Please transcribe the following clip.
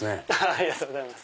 ありがとうございます。